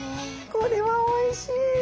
これはおいしい。